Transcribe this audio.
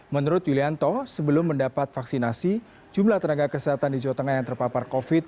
menurut yulianto sebelum mendapat vaksinasi jumlah tenaga kesehatan di jawa tengah yang terpapar covid sembilan